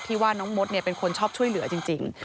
ว่าน้องมดเป็นคนชอบช่วยเหลือจริง